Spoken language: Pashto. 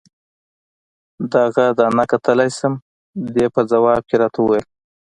دغه دانه کتلای شم؟ دې په ځواب کې راته وویل.